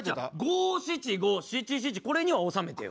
五・七・五・七・七これには収めてよ。